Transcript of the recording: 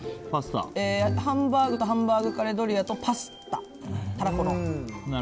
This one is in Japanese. ハンバーグとハンバーグカレードリアとパスタ、たらこの。